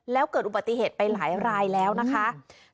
แล้วเกิดอุบัติเหตุไปหลายรายแล้วนะคะ